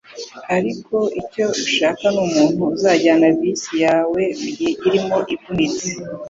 ariko icyo ushaka ni umuntu uzajyana bisi nawe mugihe limo ivunitse.”